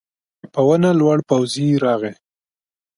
په ونه لوړ پوځي راغی.